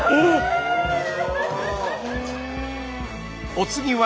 お次は。